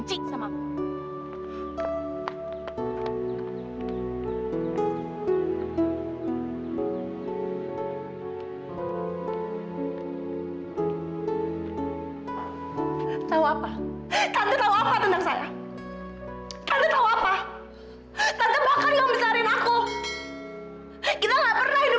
jadi aku yang tahu gak tahu apa apa tentang aku